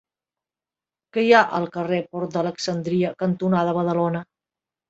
Què hi ha al carrer Port d'Alexandria cantonada Badalona?